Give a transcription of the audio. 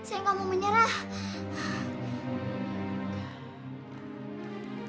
saya gak mau menyerah